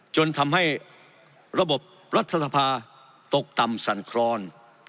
จนทำให้ระบบรัฐสภาตกต่ำสั่นคลอน